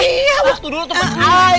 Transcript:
iya waktudulu temen dua